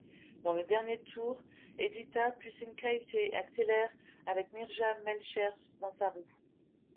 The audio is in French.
Dans le dernier tour Edita Pučinskaitė accélère avec Mirjam Melchers dans sa roue.